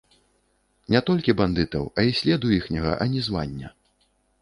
Не толькі бандытаў, а й следу іхняга ані звання.